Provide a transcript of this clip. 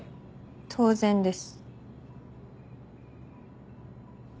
当然です。